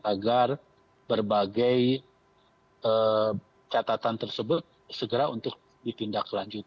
agar berbagai catatan tersebut segera untuk ditindak selanjutnya